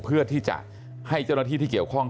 เพื่อที่จะให้เจ้าหน้าที่ที่เกี่ยวข้อง